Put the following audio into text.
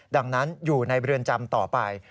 ดังนั้นอยู่ในเรือนจำต่อไป